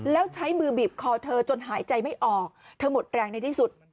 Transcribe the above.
แล้วใช้มือบีบคอเธอจนหายใจไม่ออกเธอหมดแรงในที่สุด